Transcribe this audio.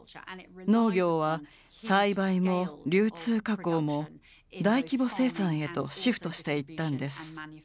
農業は栽培も流通加工も大規模生産へとシフトしていったんです。